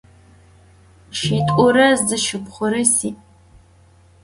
Şşit'ure zı şşıpxhure si'.